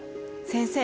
先生。